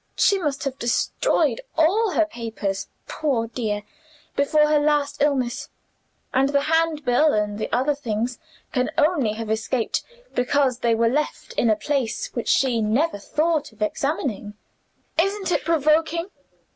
She must have destroyed all her papers, poor dear, before her last illness; and the Handbill and the other things can only have escaped, because they were left in a place which she never thought of examining. Isn't it provoking?"